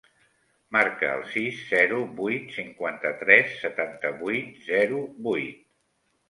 Marca el sis, zero, vuit, cinquanta-tres, setanta-vuit, zero, vuit.